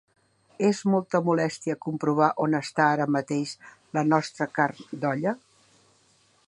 És molta molèstia comprovar on està ara mateix la nostra carn d'olla?